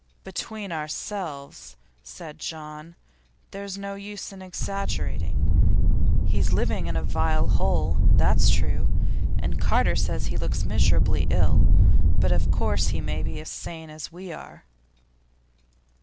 'Between ourselves,' said John, 'there's no use in exaggerating. He's living in a vile hole, that's true, and Carter says he looks miserably ill, but of course he may be as sane as we are.